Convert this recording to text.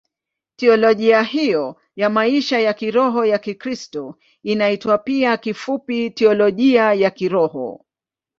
Teolojia hiyo ya maisha ya kiroho ya Kikristo inaitwa pia kifupi Teolojia ya Kiroho.